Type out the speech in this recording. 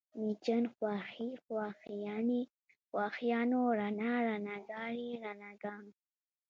مېچن، خواښې، خواښیانې، خواښیانو، رڼا، رڼاګانې، رڼاګانو